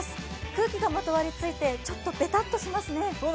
空気がまとわりついてちょっとべたっとしてますね。